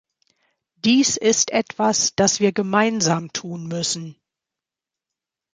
Dies ist etwas, das wir gemeinsam tun müssen.